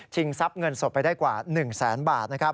ชิงทรัพย์เงินสดไปได้กว่า๑แสนบาท